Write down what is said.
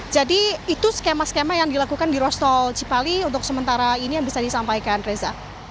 jadi itu skema skema yang dilakukan di ruas tol cipali untuk sementara ini yang bisa disampaikan reza